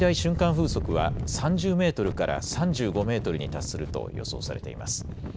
風速は３０メートルから３５メートルに達すると予想されています。